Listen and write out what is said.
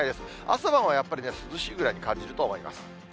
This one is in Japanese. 朝晩はやっぱり涼しいぐらいに感じると思います。